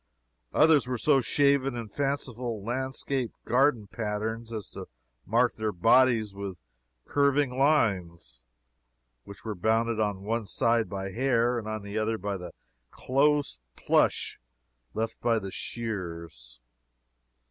Others were so shaven in fanciful landscape garden patterns, as to mark their bodies with curving lines, which were bounded on one side by hair and on the other by the close plush left by the shears.